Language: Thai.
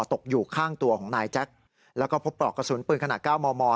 ตกอยู่ข้างตัวของนายแจ็คแล้วก็พบปลอกกระสุนปืนขนาด๙มม